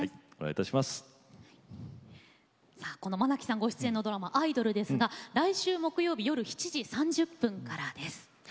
愛希さんご出演のドラマ「アイドル」は、来週木曜日夜７時３０分からです。